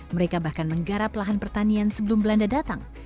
mereka bahkan menggarap lahan pertanian sebelum belanda datang